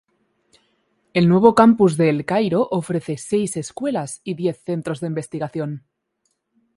El nuevo campus de El Cairo ofrece seis escuelas y diez centros de investigación.